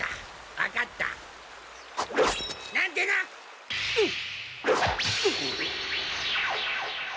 わかった。なんてなっ！